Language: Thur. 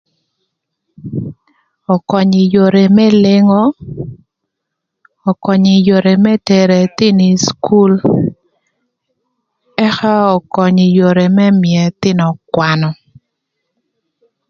ökönyö ï yore më lengo, ökönyö ï yore më tero ëthïnö ï cukul, ëka ökönyö ï yore më mïö ëthïnö kwanö.